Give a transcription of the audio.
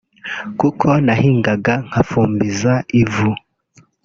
kuko nahingaga nkafumbiza ivu”